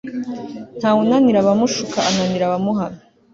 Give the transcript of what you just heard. ntawe unanira abamushuka ananira abamuhana